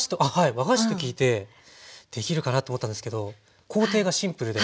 和菓子と聞いてできるかなと思ったんですけど工程がシンプルであっどうですかね？